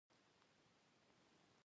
یونس قانوني، طالب او عطا نور سره کېني.